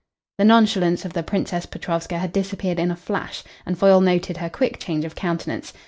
The nonchalance of the Princess Petrovska had disappeared in a flash, and Foyle noted her quick change of countenance.